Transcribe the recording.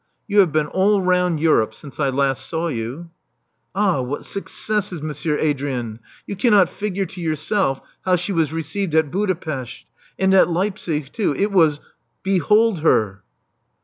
You have been all round Europe since Hast saw you." Ah, what successes, Monsieur Adrian! You can not figure to yourself how she was received at Buda pesth. And at Leipzig too! It was — ^behold her!"